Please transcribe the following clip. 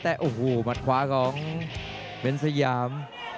แต่โอ้โหมัดคว้าของเว้นเซยาม